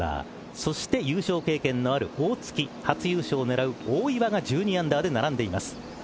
そして優勝経験のある大槻初優勝を狙う大岩が１２アンダーで並んでいます。